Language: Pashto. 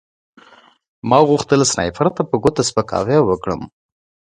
ما غوښتل سنایپر ته په ګوته سپکاوی وکړم